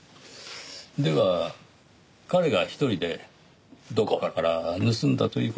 では彼が１人でどこかから盗んだという事は？